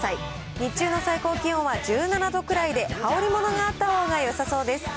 日中の最高気温は１７度くらいで、羽織るものがあったほうがよさそうです。